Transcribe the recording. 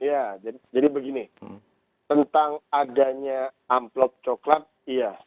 ya jadi begini tentang adanya amplop coklat iya